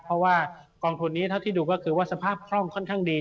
เพราะว่ากองทุนนี้เท่าที่ดูก็คือว่าสภาพคล่องค่อนข้างดี